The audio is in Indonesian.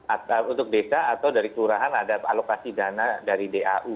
atau untuk desa atau dari kelurahan ada alokasi dana dari dau